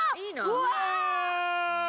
◆うわ！